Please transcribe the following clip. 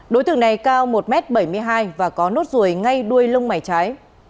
đối tượng này cao một m bảy mươi hai và có nốt ruồi ngay đuôi lông mảy trái